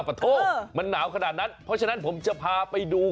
ขอโทษมันหนาวขนาดนั้นเพราะฉะนั้นผมจะพาไปดู